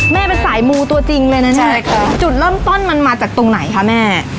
แม่เป็นสายมูตัวจริงเลยนะเนี่ยจุดเริ่มต้นมันมาจากตรงไหนคะแม่